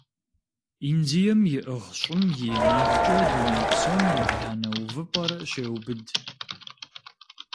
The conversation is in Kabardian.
Индием иӀыгъ щӀым и инагъкӀэ дуней псом ебланэ увыпӀэр щеубыд.